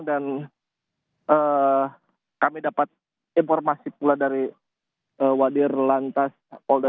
dan kami dapat informasi juga dari wadir lantas koldadang